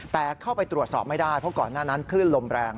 แต่เข้าไปตรวจสอบไม่ได้เพราะก่อนหน้านั้นคลื่นลมแรง